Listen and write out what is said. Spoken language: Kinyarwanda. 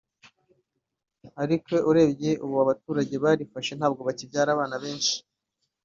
Ariko urebye ubu abaturage ubu barifashe ntabwo bakibyara abana benshi